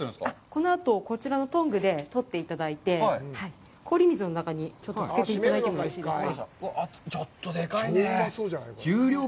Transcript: このあと、こちらのトングで取っていただいて、氷水の中につけていただいてもよろしいですか。